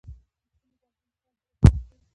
د ستوني د بلغم لپاره د ادرک چای وڅښئ